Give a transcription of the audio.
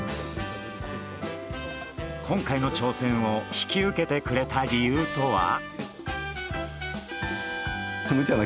今回の挑戦を引き受けてくれた理由とは？